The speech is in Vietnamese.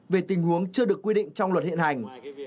về tình huống chưa được quy định trong luật hiện hành